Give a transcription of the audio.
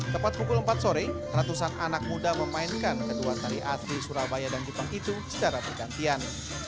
tepat pukul empat sore ratusan anak muda memainkan kedua tari asli surabaya dan jepang itu secara bergantian